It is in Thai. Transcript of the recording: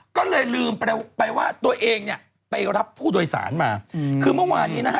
ก็เลยลืมไปว่าตัวเองเนี่ยไปรับผู้โดยสารมาคือเมื่อวานนี้นะฮะ